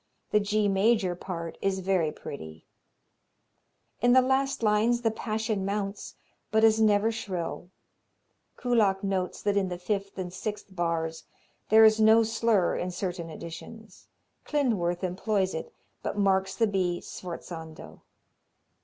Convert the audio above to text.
The G major part is very pretty. In the last lines the passion mounts, but is never shrill. Kullak notes that in the fifth and sixth bars there is no slur in certain editions. Klindworth employs it, but marks the B sforzando.